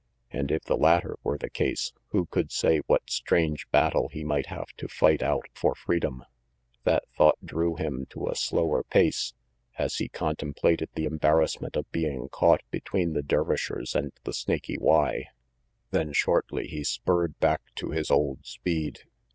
And if the latter were the case, who could say what strange battle he might have to fight out for freedom, That thought drew him to a slower pace, as he con templated the embarrassment of being caught between the Dervishers and the Snaky Y; then shortly he spurred back to his old speed.